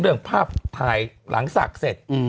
เรื่องภาพถ่ายหลังศักดิ์เสร็จ